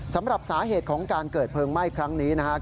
สำหรับสาเหตุของการเกิดเพลิงไหม้ครั้งนี้นะครับ